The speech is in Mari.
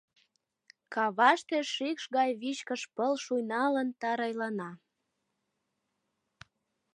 Каваште шикш гай вичкыж пыл, шуйналын, тарайлана.